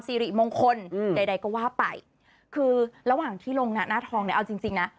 สิริมงคลอืมใดใดก็ว่าไปคือระหว่างที่ลงหน้าทองเนี่ยเอาจริงจริงนะ